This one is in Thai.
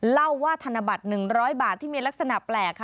เล่าว่าธนบัตร๑๐๐บาทที่มีลักษณะแปลกค่ะ